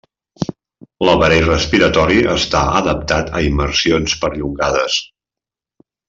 L'aparell respiratori està adaptat a immersions perllongades.